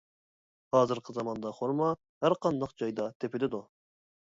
ھازىرقى زاماندا خورما ھەر قانداق جايدا تېپىلىدۇ.